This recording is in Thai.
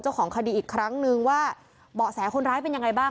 เจ้าของคดีอีกครั้งนึงว่าเบาะแสคนร้ายเป็นยังไงบ้าง